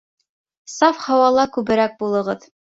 Саф һауала күберәк булығыҙ!